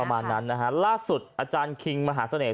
ประมาณนั้นนะฮะล่าสุดอาจารย์คิงมหาเสน่ห